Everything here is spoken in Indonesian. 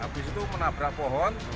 habis itu menabrak pohon